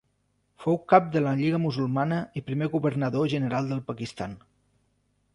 Fou cap de la Lliga Musulmana i primer governador general del Pakistan.